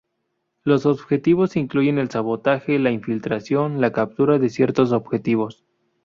Los objetivos incluyen el sabotaje, la infiltración, la captura de ciertos objetivos.